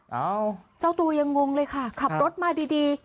เอ้าเจ้าตัวยังงงเลยค่ะขับรถมาดีดี